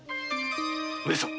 上様！